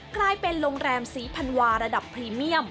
กลายเป็นโรงแรมศรีพันวาระดับพรีเมียม